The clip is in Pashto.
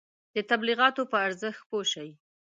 د تبلیغاتو په ارزښت پوه شئ.